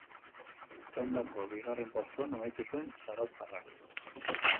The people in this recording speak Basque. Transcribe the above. Txandako bigarren postuan amaitu zuen zarauztarrak.